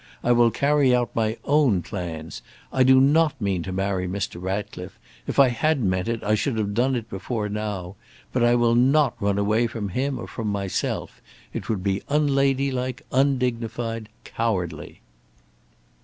I will carry out my own plans! I do not mean to marry Mr. Ratcliffe. If I had meant it, I should have done it before now. But I will not run away from him or from myself. It would be unladylike, undignified, cowardly."